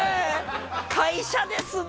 会社ですね！